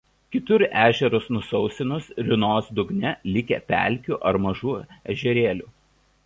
Kitur ežerus nusausinus rinos dugne likę pelkių ar mažų ežerėlių.